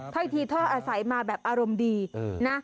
ถ้อยทีท่ออาศัยมาแบบอารมณ์ดีนะ